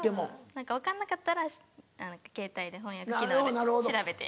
何か分かんなかったらケータイで翻訳機能で調べて。